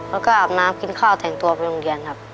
แล้วก็อาบน้ำกินข้าวแต่งตัวไปโรงเรียนครับ